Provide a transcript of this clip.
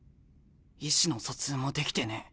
意思の疎通もできてねえ。